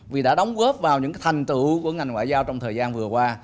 cũng như các đại sứ của ngành ngoại giao trong thời gian vừa qua